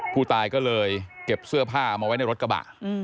ผู้ตายก็เลยเก็บเสื้อผ้าเอาไว้ในรถกระบะ